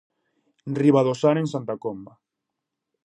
Ribadosar en Santa Comba.